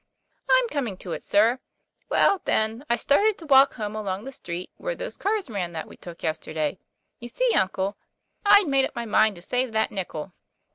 "I'm coming to it, sir. Well, then, I started to walk home along the street where those cars ran that we took yesterday. You see, uncle, I'd made up my mind to save that nickel."